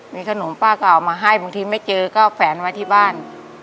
มีขนมป้าก็เอามาให้บางทีไม่เจอก็แฝนไว้ที่บ้าน